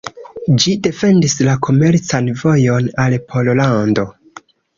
Ĝi defendis la komercan vojon al Pollando.